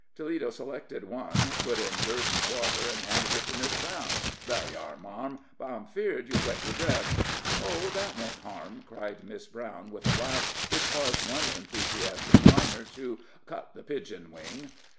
Toledo selected one, put in dirt and water, and handed it to Miss Brown. "Thar you are, marm, but I'm afeared you'll wet your dress." "Oh, that won't harm," cried Miss Brown, with a laugh which caused one enthusiastic miner to "cut the pigeon wing."